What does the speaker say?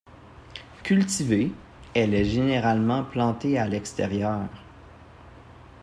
Cultivée, elle est généralement plantée à l'extérieur.